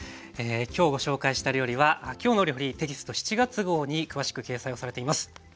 今日ご紹介した料理は「きょうの料理」テキスト７月号に詳しく掲載をされています。